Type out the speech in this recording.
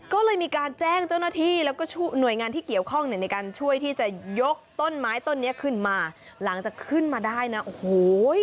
ก็เลยมีการแจ้งเจ้าหน้าที่แล้วก็หน่วยงานที่เกี่ยวข้องเนี่ยในการช่วยที่จะยกต้นไม้ต้นนี้ขึ้นมาหลังจากขึ้นมาได้นะโอ้โห